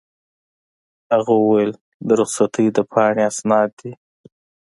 هغه وویل: د رخصتۍ د پاڼې اسناد دي.